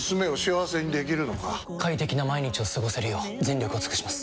快適な毎日を過ごせるよう全力を尽くします！